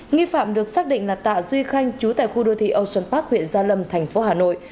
nghi phạm được xác định là tạ duy khanh chú tại khu đô thị ocean park huyện gia lâm thành phố hà nội